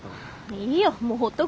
いいよもうほっとご。